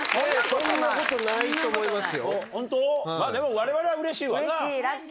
我々はうれしいわな。